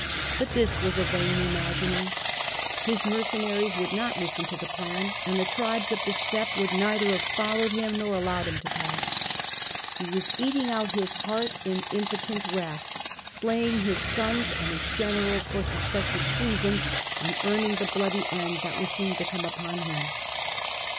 But this was a vain imagining; his mercenaries would not listen to the plan, and the tribes of the steppe would neither have followed him nor allowed him to pass. He was eating out his heart in impotent wrath, slaying his sons and his generals for suspected treason, and earning the bloody end that was soon to come upon him.